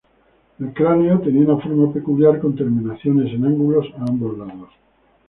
El cráneo tenía una forma peculiar con terminaciones en ángulo a ambos lados.